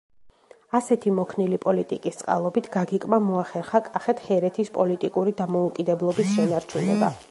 ასეთი მოქნილი პოლიტიკის წყალობით, გაგიკმა მოახერხა კახეთ-ჰერეთის პოლიტიკური დამოუკიდებლობის შენარჩუნება.